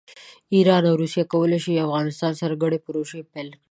ایران او روسیه کولی شي د افغانستان سره ګډې پروژې پیل کړي.